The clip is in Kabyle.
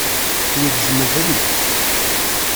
Yegzem ubrid